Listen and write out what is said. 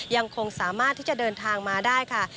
ยังคงสามารถที่จะเดินทางมาได้ค่ะ